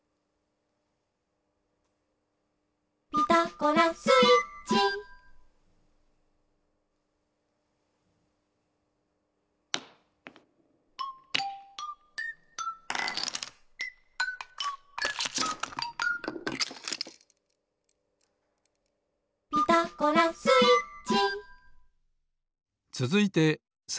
「ピタゴラスイッチ」「ピタゴラスイッチ」